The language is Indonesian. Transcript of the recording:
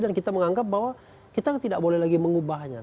dan kita menganggap bahwa kita tidak boleh lagi mengubahnya